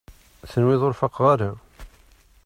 Tenwiḍ ur faqeɣ ara?